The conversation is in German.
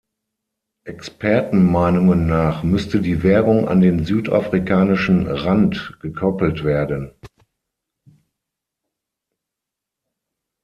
Expertenmeinungen nach müsste die Währung an den Südafrikanischen Rand gekoppelt werden.